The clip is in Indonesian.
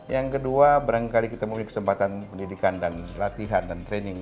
yang kedua berangkali kita memiliki kesempatan pendidikan dan latihan dan training